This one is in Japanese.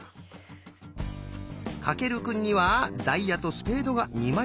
翔くんには「ダイヤ」と「スペード」が２枚ずつ。